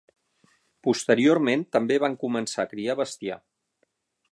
Posteriorment també van començar a criar bestiar.